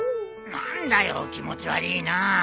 何だよ気持ち悪いなぁ。